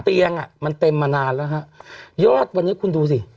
อ่ะมันเต็มมานานแล้วฮะยอดวันนี้คุณดูสิ